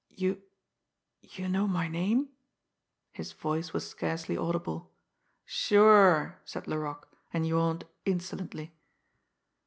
"You you know my name?" His voice was scarcely audible. "Sure!" said Laroque and yawned insolently.